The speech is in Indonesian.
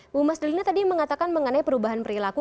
bu mas delina tadi mengatakan mengenai perubahan perilaku